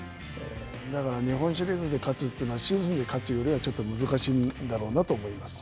だから日本シリーズで勝つというのは、シーズンで勝つよりはちょっと難しいんだろうなと思います。